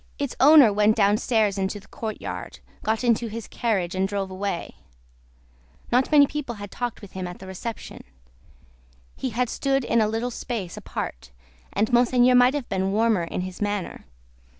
Its owner went downstairs into the courtyard, got into his carriage, and drove away. Not many people had talked with him at the reception; he had stood in a little space apart, and Monseigneur might have been warmer in his manner.